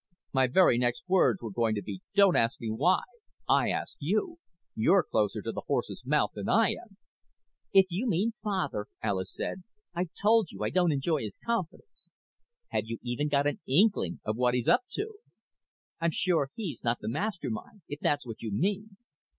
"My very next words were going to be 'Don't ask me why.' I ask you. You're closer to the horse's mouth than I am." "If you mean Father," Alis said, "I told you I don't enjoy his confidence." "Haven't you even got an inkling of what he's up to?" "I'm sure he's not the Master Mind, if that's what you mean."